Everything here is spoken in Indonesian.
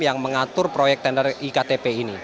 yang mengatur proyek tender iktp ini